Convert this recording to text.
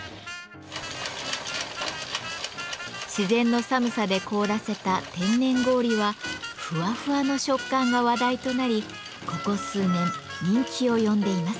自然の寒さで凍らせた天然氷はふわふわの食感が話題となりここ数年人気を呼んでいます。